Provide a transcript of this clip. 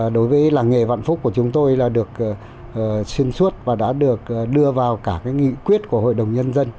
đối với làng nghề vạn phúc của chúng tôi là được xuyên suốt và đã được đưa vào cả cái nghị quyết của hội đồng nhân dân